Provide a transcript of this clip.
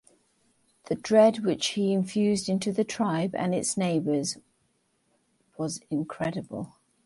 The dread which he infused into the tribe and its neighbors was incredible.